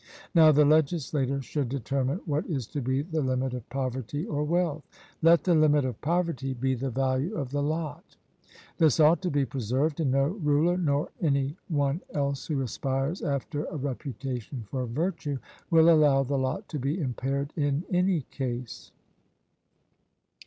Now the legislator should determine what is to be the limit of poverty or wealth. Let the limit of poverty be the value of the lot; this ought to be preserved, and no ruler, nor any one else who aspires after a reputation for virtue, will allow the lot to be impaired in any case.